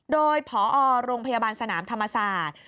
โดยพอโรงพยาบาลสนามธรรมศาสตร์